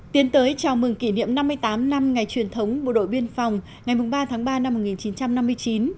tiến tới chào mừng kỷ niệm năm mươi tám năm ngày truyền thống bộ đội biên phòng ngày ba tháng ba năm một nghìn chín trăm năm mươi chín